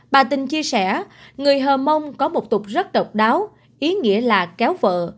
bà tình chia sẻ người hờ mông có một tục rất độc đáo ý nghĩa là kéo vợ